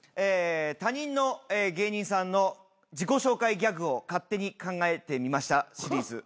他人の芸人さんの自己紹介ギャグを勝手に考えてみましたシリーズ。